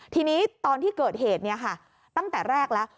ทีนี้ตอนที่เกิดเหตุตั้งแต่แรกแล้ว